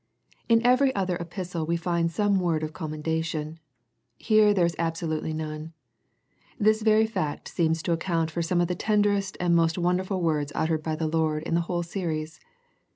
In every other epistle we find some word of commendation. Here there is abso lutely none. This very fact seems to account for some of the tenderest and most wonderful words uttered by the Lord in the whole series.